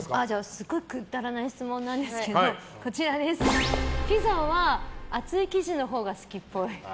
すごいくだらない質問なんですけどピザは厚い生地のほうが好きっぽい。